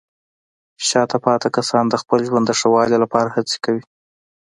شاته پاتې کسان د خپل ژوند د ښه والي لپاره هڅې کوي.